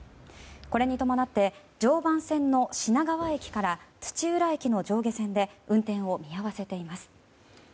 これに伴って常磐線の品川駅から土浦駅の上下線で運転を見合わせています。